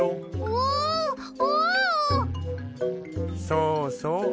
そうそう。